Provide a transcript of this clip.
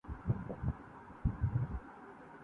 غالبؔ! وظیفہ خوار ہو‘ دو شاہ کو دعا